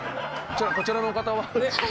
こちらのお方は？